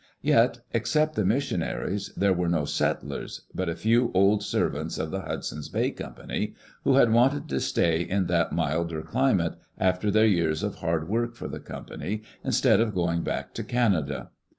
Yet, except the mis sionaries, there were no settlers but a few old servants of the Hudson's Bay Company, who had wanted to stay in that milder climate after their years of hard work for the company, instead of going back to Canada.